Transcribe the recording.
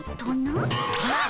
あっ。